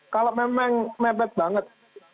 kalau memang mepet banget